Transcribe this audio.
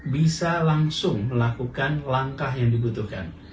bisa langsung melakukan langkah yang dibutuhkan